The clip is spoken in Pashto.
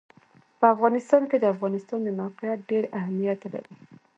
په افغانستان کې د افغانستان د موقعیت ډېر اهمیت لري.